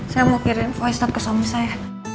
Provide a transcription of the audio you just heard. saya mau kirim voice stop ke suami saya